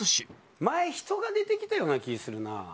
前人が出てきたような気ぃするな。